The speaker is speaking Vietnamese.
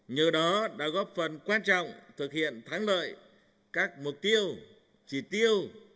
nhờ đó đã góp phần quan trọng thực hiện thắng lợi các mục tiêu chỉ tiêu